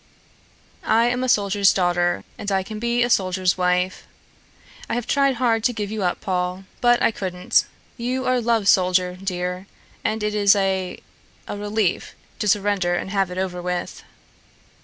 "I am a soldier's daughter, and I can be a soldier's wife. I have tried hard to give you up, Paul, but I couldn't. You are love's soldier, dear, and it is a a relief to surrender and have it over with."